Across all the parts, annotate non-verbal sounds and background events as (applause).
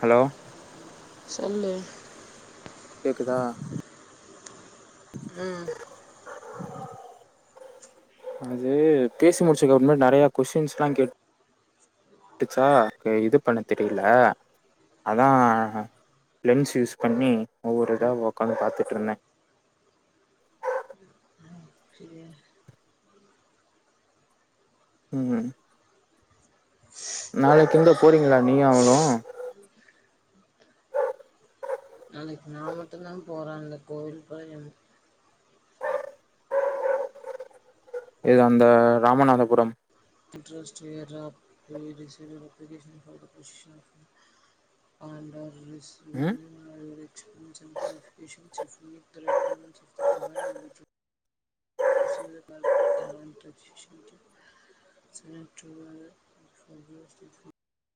Hello சொல்லு கேக்குதா உம் அது பேசி முடிச்சுஅப்பறோம் நெறைய கொஸ்டின்ஸ் எல்லாம் கே கேட்டுச்சா இது பண்ண தெரியல அதான் லென்ஸ் யூஸ் பண்ணி ஒவ்வொரு இதாஉக்காந்து பாத்துட்டு இருந்தேன் ச (inaudible) உஹம் நாளைக்கு கூடப் போறீங்களா நீ அவனும் நாளைக்கு நான் மட்டும்தான் போறன் அந்த கோவில் ப யானா இது அந்த ராமநாதபுரம் இன்ட்ரெஸ்ட் (unintelligible) அப்ளிகேஷன் ஆண்ட்ராய்ட் ம் (unintelligible) உ (unintelligible)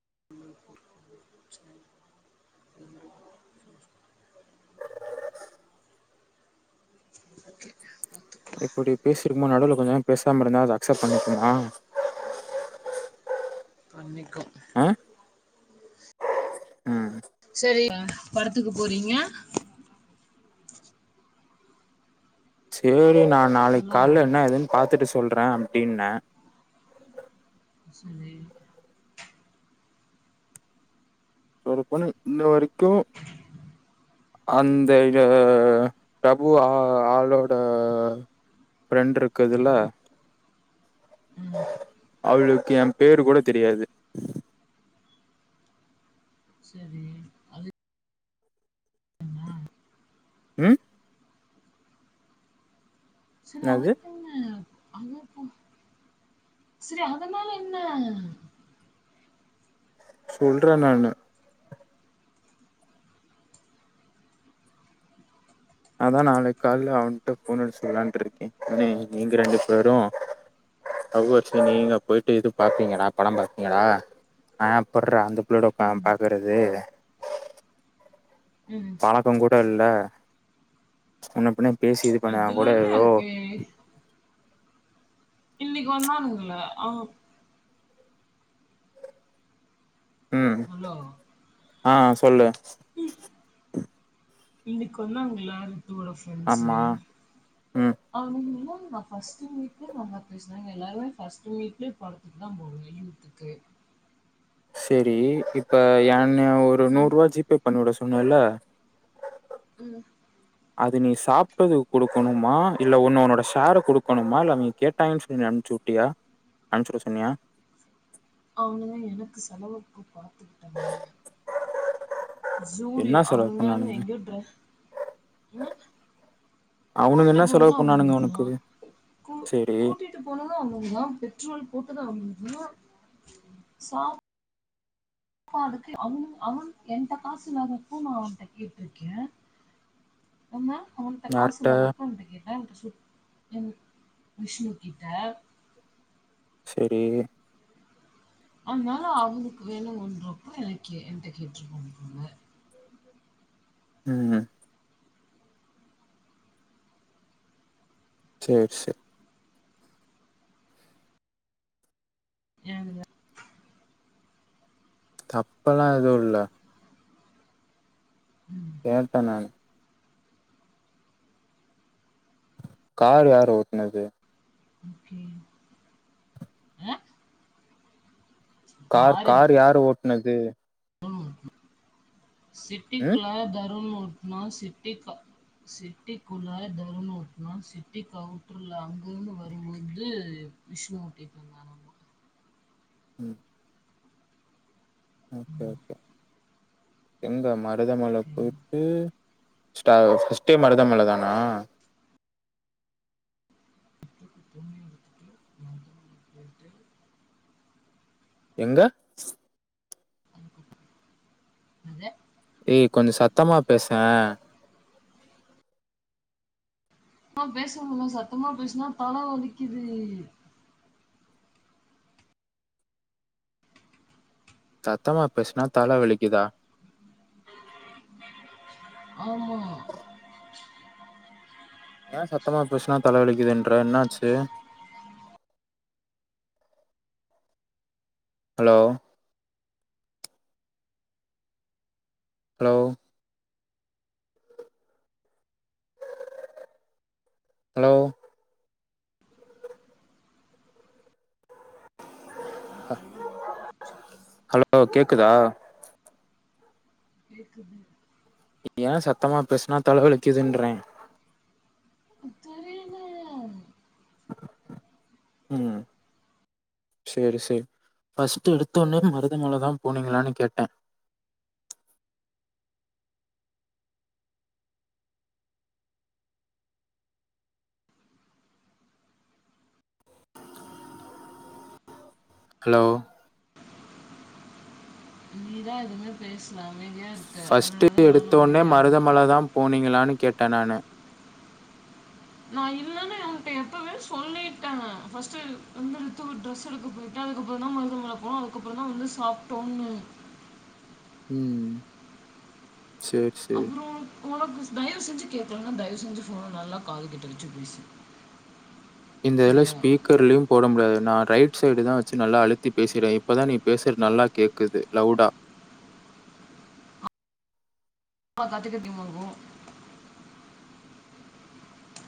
(unintelligible) ஓகே இப்படி பேசிருக்குக்கும் போது நடுவுவில கொஞ்சம் பேசாம இருந்தா அது அக்செப்ட் பண்ணிக்குமா பண்ணிக்கும் ஆஹ செரி படத்துக்கு போறீங்க செரி நான் நாளைக்கு ஹலோ கால என்ன ஏதுன்னு பா்த்துட்டு சொல்றே அப்படின்ன செரி சொல்ல போன இந்த வரைக்கும் கும் அந்த பிரபு ஆ ஆளோட ஃப்ரெண்ட் இருக்குதுல ம் அவளுக்கு என் பேரு கூட தெரியாது செரி அது என்ன ம் செரி என்னது அவளுக்கு என்ன ஆமாப்பா செரி அதனால என்ன சொல்றேன் நானு அதான் நாளைக்கு கால அவனிட்ட போன் அடிச்சு வெளையாண்டுட்டு இருக்கேன் ஏ நீங்க ரெண்டு பேரும் லவர்ஸ் நீங்க போயிட்டு எதுவும் பாப்பீங்கடா படம் பாப்பீங்கடா நா எப்படிடா அந்த பிள்ளையோட உட்காந்து ம், பாக்குறது ம். பாலக்க அங்குட்டு இல்ல முன்ன பின்ன பேசி இது பண்ணான் இதுல கூட என்ன ஏதோ இருக்கு? இன்னைக்கு வந்தானுங்கள ஆஹ் ஹலோ ஆஹ் சொல்லு இன்னைக்கு வந்தாங்களா உன்னோட ப்ரெண்ட்ஸு ஆமா ம் அவங்கள ஃபர்ஸ்ட் மீட்ல நல்ல பேசினாங்க எல்லாருமே ஃபர்ஸ்ட் மீட்லயே படத்துக்கு தான் போவீங்கன்னு இருக்கு சரி இப்ப ஏன் நீ ஒரு நூறு ம், ரூபா ஜி பே பண்ணவிடு சொன்னல உம் அது நீ சாப்பிட்டது கொடுக்கணுமா இல்ல ஒன்னு உன்னோட ஷேர கொடுக்கணுமா இல்லை நீங்க கேட்டாங்கன்னு சொல்லி அனுச்சு விட்டயா அனுச்சுட சொன்னியா அவனதா எனக்கு செலவுக்கு (inaudible) சூடி என்ன செலவு அவனுங்க பண்ணானுங்க? எங்கயோ டிரஸ்ட் அவனுங்க கூட்டு என்ன செலவு போனதா பண்ணானுங்க அவங்கதா உனக்கு? கூ சரி. கூட்டிட்டு போனதா அவங்கதா பெட்ரோல் போட்டுதா அவங்கதா உ சா அப்ப அதுக்கு அவனு அவன் எந்த காசு இல்லாத ப்போ நா அவன்ட்ட கேட்டு இருக்க ஒண்ட காசு யார்ட்ட? இல்லாத போ அவன்ன்டா (inaudible) என் விஷ்ணு கிட்ட செரி அதனால அவங்களுக்கு வேணும்ன்றப்ப எனக்கு எண்ட கேட்டுருக்காங்க ஹம் சேரி சேரி ஏனுங்க தப்பல்லா எதுவு இல்ல ம் கேட்ட நானு கார் யாரு ஓட்னது ஓகே ஆ கார் காரு யார் ஓட் னது ம். சிட்டிக்குல த (unintelligible) ஒண்ணா சிட்டி சிட்டிக்குள்ள தர்ம ஒண்ணா சிட்டிக்கு அவுட்டர்ல அங்கங்க வரும்போது (unintelligible) ம் ஓகே ம். ஓகே எங்க ம மருத மல ஓகே. போய்ட்டு ஃபஸ்ட்டே மருதமல தானா (inaudible) எங்க எங்க ஹே கொஞ்சம் சத்தமா பேசே ஆ பேசும்முள்ள சத்தமா பேசுனா தல வலிக்குது தத்தமா பேசினா தல வலிக்குதா ஆமா ஏன் சத்தமா பேசுனா தலவலிக்குதுன்ற இன்னாச்சு ஹலோ ஹலோ ஹலோ ஹலோ கேக் இக்குதா கேக்குது ஏ சத்தமா பேசுனா தலவலிக்குதுன்றே தெரில ம் செரி செரி ஃபர்ஸ்ட் எடுத்த உனே மருதமலைதான் போனீங்களான்னு கேட்டே ஹலோ நீதா எதுமே பேசல அமைதியா இருக்க ஃபஸ்ட் அதனால டிட் தான் நானும் எடுத்த உனே அமைதியா இருந்தேன் மருதமலை தான் போனீங்களானு கேட்டன் நானு நா இல்லன்னு அவகிட்ட எப்பவே சொல்லிட்டேன் ஃபஸ்ட்ட் வந்து ரித்துக்கு டிரரெஸ் எடுக்க போயிட்டேன் அதுக்கப்பறம் தா மருதமலை போனோம் அதுக்கப்பறம் தா வந்து சாப்ட்டோன்னு ம் சேரி சேரி. அப்பறம் (unintelligible) தயவு செஞ்சு கேக்கலனா தயவு செஞ்சு ஃபோனை நல்லா காது கிட்ட வச்சு பேசு இந்த எல் சரியா ஸ்பீக்கர்லயும் போட முடியாது நான் ரைட் சைடு தா வச்சு நல்லா அழுத்தி பேசுற இப்பதா நீ பேசுறது நல்லா கேக்குது லவுடா ஆ கத்தி கத்தி மோகு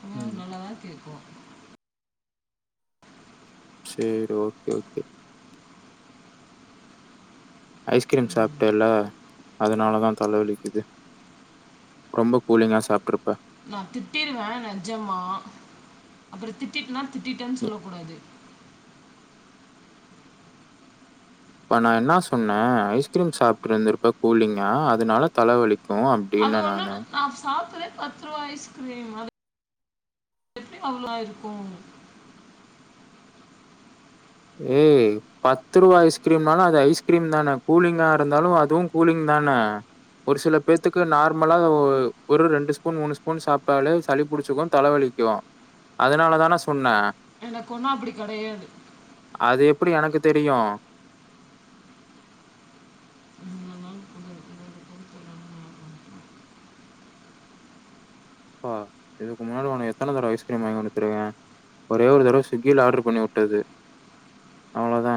உம் ம். நல்லாதா கேக்கு சேரி ஓகே ஓகே ஐஸ்கிரீம் சாப்ட்டல அதனாலதா தலவலிக்குது ரொம்ப கூலிங்கா சாப்ட்ருப்ப நா திட்டிருவ நெஜமா அப்பற திட்டிட்டனா திட்டிட்டன் இ சொல்லக்கூடாது இப்ப நா என்னா சொன்ன ஐஸ்கிரீம் சாப்ட்டு இருந்துருப்ப கூலிங்கா அதனால தலவலி அது ஒன்னு நா சாப்பல பத்து ரூவா ஐஸ்க்ரீம் அது எப்டி அவ்ளோ ஆயிருக்கு ஏய் பத்து ரூவா ஐஸ்கிரீம்னாலு அது ஐஸ்கிரீம் தான கூலிங்கா இருந்தாலு அதுவும் கூலிங் தான ஒரு சில பேத்துக்கு நார்மலா ஒ ஒரு ரெண்டு ஸ்பூன் மூணு ஸ்பூன் சாப்ட்டாலே சளி புடிச்சிக்கு தலைவலிக்கு அதனால தான சொன்ன எனக்கு ஒன்னு அப்டி கெடையாது அது எப்டி எனக்கு தெரியு உன்னனால் புகழ் இருபது பொருட்களான நாகம் ப்பா இதுக்கு முன்னாடி உன எத்தன தடவை ஐஸ்கிரீம் வாங்கி குத்துருவே ஒரே ஒரு தடவ ஸ்விக்கியில ஆர்டர் பண்ணி வுட்டது அவ்ளோதா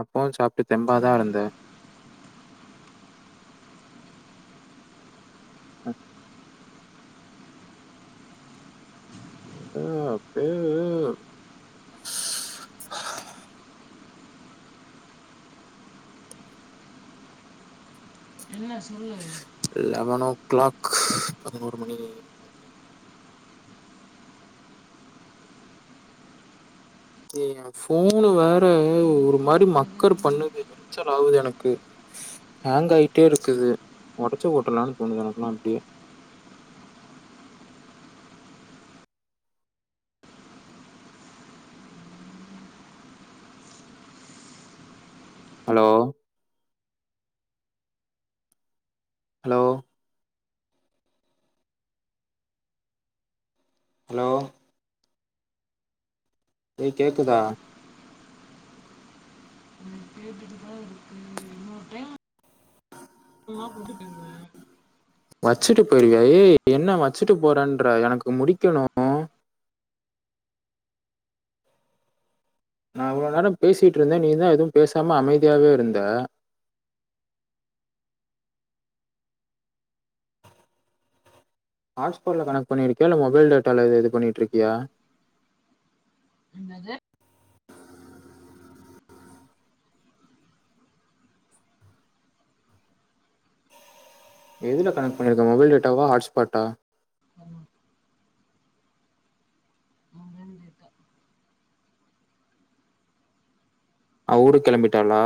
அப்பவு சாப்ட்டு தெம்பாதா இருந்த ஹ அப்பெய என்ன சொல்லு லெவன் ஓ கிளாக் பதினோரு மணி எ எனக்கு ஃபோனு வேற ஒரு உங்களுக்கு மாரி பதில் மக்கர் பண்ணுது எரிச்சலாவுது எனக்கு ஹேங் ஆயிட்டே இருக்குது ஒடச்சு போட்டலான்னு தோணுது எனக்கெல்லா அப்டியே ஹலோ ஹலோ ஹலோ ஏய் கேக்குதா நா கேட்டுட்டுதா இன்னொரு டைம் (unintelligible) வச்சிட்டு போயிருவியா ஏய் என்ன வச்சுட்டு போறன்ற எனக்கு முடிக்கணு நா இவ்ளோ நேரோ பேசிட்டு இருந்தே நீதான் எதுவு பேசாம அமைதியாவே இருந்த ஹாட்ஸ்போர்ட்ல கனெக்ட் பண்ணிருக்கியா இல்ல மொபைல் டேட்டால இது பண்ணிட்டுருக்கியா என்னது எதுல கனெக்ட் பண்ணியிருக்க மொபைல் டேட்டாவா ஹாட்ஸ்பாட்டா ஆமா, அப்படின்னு கேட்டா அவ ஊரு கெளம்பிட்டாளா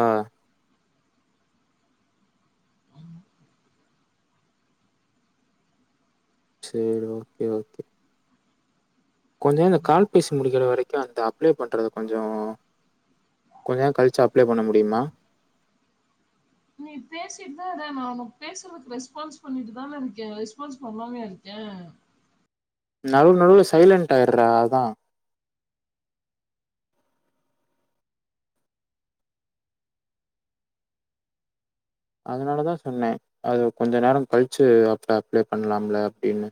சரி ஓகே ஓகே கொஞ்சம நேர அந்த கால் பேசி முடிக்கிற வரைக்கும் அந்த அப்ளை பண்றது கொஞ்சோ கொஞ்சோ நேர கழிச்சி அப்ளை பண்ண முடியுமா நீ பேசிட்தா இரே நா உன்ன பேசுறதுக்கு ரெஸ்பான்ஸ் பண்ணிட்டு தானே இருக்கே ரெஸ்பான்ஸ் பண்ணாமயா இருக்கே நடுவுல நடுவுல சைலன்ட் ஆயடுறா அதா அதனாலதா சொன்னே அது கொஞ்ச நேரொ கழிச்சு அப்ப அப்ளை பண்ணலாம்ல அப்டின்னு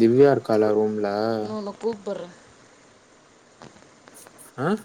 திவ்யா இருக்காளா ரூம் நா உன்ன கூப்புற ஆஹ்